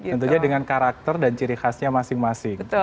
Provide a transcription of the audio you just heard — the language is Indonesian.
tentunya dengan karakter dan ciri khasnya masing masing